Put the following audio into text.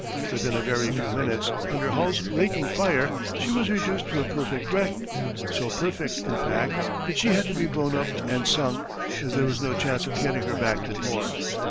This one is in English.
Within a very few minutes, under Hull's raking fire, she was reduced to a "perfect wreck" so perfect, in fact, that she had to be blown up and sunk, as there was no chance of getting her back to port.